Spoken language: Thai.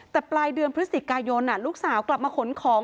แต่ปลายเดือนพฤศจิกายนลูกสาวกลับมาขนของ